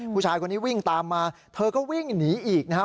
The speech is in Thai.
ผู้ชายคนนี้วิ่งตามมาเธอก็วิ่งหนีอีกนะครับ